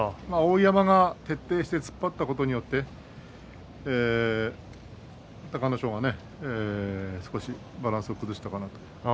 碧山が徹底して突っ張ったことによって隆の勝が少しバランスを崩したかなと。